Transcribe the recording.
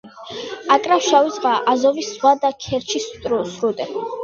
აკრავს შავი ზღვა, აზოვის ზღვა და ქერჩის სრუტე.